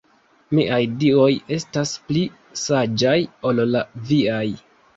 Miaj Dioj estas pli saĝaj ol la viaj.